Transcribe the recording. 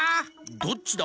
「どっちだ？」